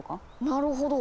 なるほど。